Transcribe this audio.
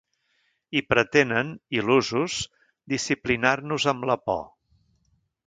I pretenen, il·lusos, disciplinar-nos amb la por.